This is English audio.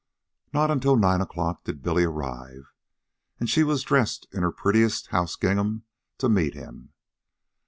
Not until after nine o'clock did Billy arrive, and she was dressed in her prettiest house gingham to meet him.